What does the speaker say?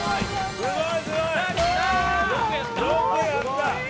すごーい！